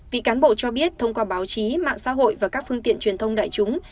vị cán bộ cho biết thông qua báo chí mạng xã hội và các phương tiện truyền thông đại chúng